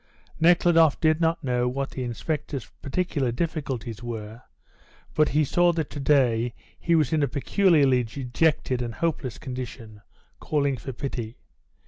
Nekhludoff did not know what the inspector's particular difficulties were, but he saw that to day he was in a peculiarly dejected and hopeless condition, calling for pity.